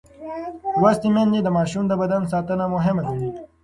لوستې میندې د ماشوم د بدن ساتنه مهم ګڼي.